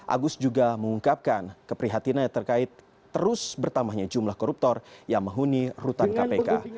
agus juga mengungkapkan keprihatinannya terkait terus bertambahnya jumlah koruptor yang menghuni rutan kpk